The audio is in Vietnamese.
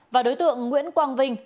và đối tượng nguyễn quang vinh